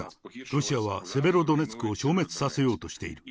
ロシアはゼベロドネツクを消滅させようとしている。